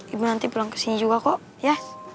ibu nanti pulang ke sini juga kok ya